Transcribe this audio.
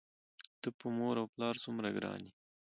ته په مور و پلار څومره ګران یې؟!